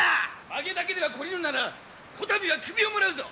まげだけでは懲りぬならこたびは首をもらうぞ！